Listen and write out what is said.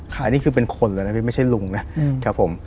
ค่ะนี่คือเป็นคนแล้วนะไม่ใช่ลุงนะ